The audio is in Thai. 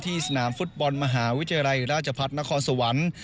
สนามฟุตบอลมหาวิทยาลัยราชพัฒนครสวรรค์